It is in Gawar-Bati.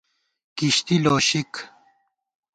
کِشتی لوشِک